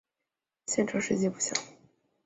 县成事迹不详。